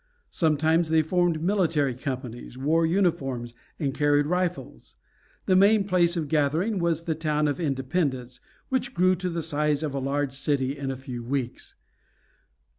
Sometimes they formed military companies, wore uniforms, and carried rifles. The main place of gathering was the town of Independence, which grew to the size of a large city in a few weeks.